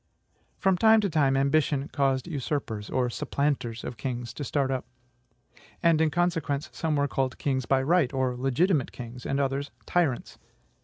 From time to time, ambition caused usurpers, or SUPPLANTERS of kings, to start up; and, in consequence, some were called kings by right, or legitimate kings, and others TYRANTS.